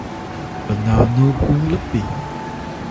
pnanu kung lpi?